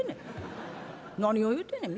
「何を言うてんねん。